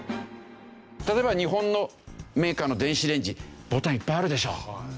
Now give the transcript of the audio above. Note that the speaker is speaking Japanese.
例えば日本のメーカーの電子レンジボタンいっぱいあるでしょう。